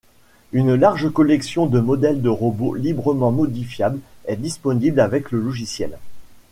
Une large collection de modèles de robots librement modifiables est disponible avec le logiciel.